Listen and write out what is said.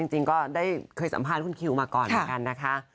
จริงก็ได้เคยสัมภาษณ์คุณคิวมาก่อนเหมือนกันนะคะ